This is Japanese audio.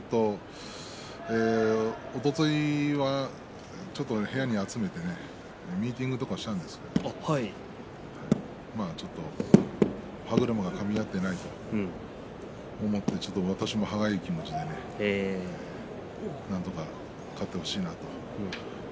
おとといは部屋に集めてミーティングとかしたんですけどまあちょっと歯車がかみ合っていないと思って私も歯がゆい気持ちでなんとか勝ってほしいなと。